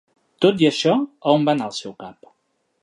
Tot i això, a on va anar el seu cap?